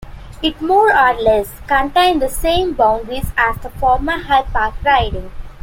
It more or less contained the same boundaries as the former High Park riding.